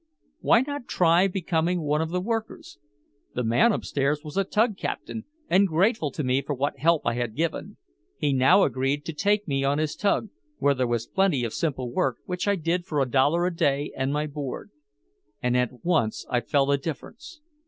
Why not try becoming one of the workers? The man upstairs was a tug captain, and grateful to me for what help I had given; he now agreed to take me on his tug, where there was plenty of simple work which I did for a dollar a day and my board. And at once I felt a difference.